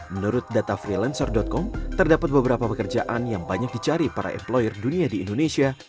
menurut data freelancer com terdapat beberapa pekerjaan yang banyak dicari para employer dunia di indonesia